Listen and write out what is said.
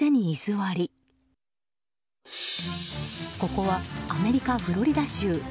ここはアメリカ・フロリダ州。